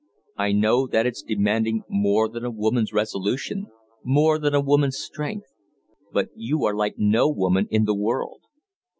I know that it's demanding more than a woman's resolution more than a woman's strength. But you are like no woman in the world!